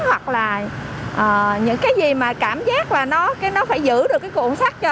hoặc là những cái gì mà cảm giác là nó phải giữ được cái cuộn sắc cho